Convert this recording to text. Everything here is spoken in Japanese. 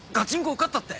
受かったって。